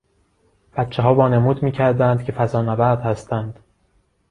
بچهها وانمود میکردند که فضانورد هستند.